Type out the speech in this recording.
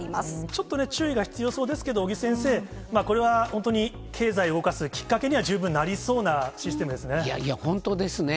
ちょっとね、注意が必要そうですけど、尾木先生、これは本当に経済を動かすきっかけには、十分なりそうなシステムいやいや、本当ですね。